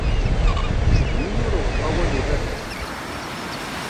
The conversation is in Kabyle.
Seg-mi ur uɣeɣ awal ubabat.